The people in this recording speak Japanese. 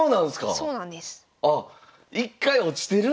そうなんです。